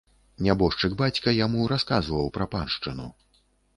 Нябожчык бацька яму расказваў пра паншчыну.